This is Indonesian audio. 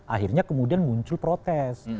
akhirnya kemudian muncul protes